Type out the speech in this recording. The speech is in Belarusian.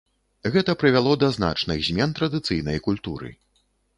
Гэта прывяло да значных змен традыцыйнай культуры.